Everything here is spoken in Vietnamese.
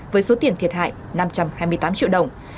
với số tiền thiệt hại năm trăm hai mươi tám triệu đồng